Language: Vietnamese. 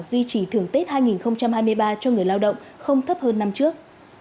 duy trì thường tết hai nghìn hai mươi ba cho người lao động không thấp hơn năm trước